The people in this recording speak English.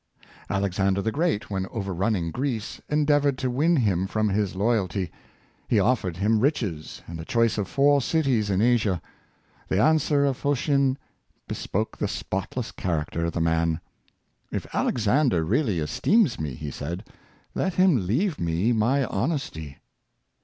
Alexander the Great, when overrunning Greece, en deavored to win him from his loyalty. He offered him riches, and the choice of four cities in Asia. The answer of Phocion bespoke the spotless character of the man. " If Alexander really esteems me,'' he said, '' let him leave me my honesty.""